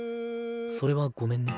それはごめんね。